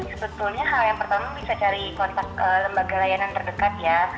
sebetulnya hal yang pertama bisa cari kontak lembaga layanan terdekat ya